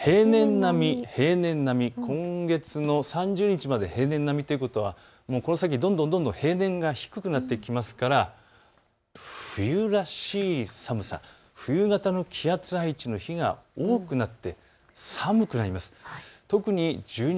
平年並み、平年並み、今月の３０日まで平年並みということはこの先どんどん平年が低くなっていきますから冬らしい寒さ、冬型の気圧配置の日が多くなって寒くなります。